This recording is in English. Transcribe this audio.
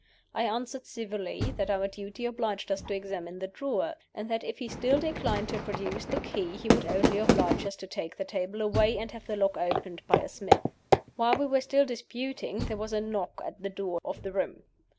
I answered civilly that our duty obliged us to examine the drawer, and that if he still declined to produce the key, he would only oblige us to take the table away and have the lock opened by a smith. "While we were still disputing there was a knock at the door of the room.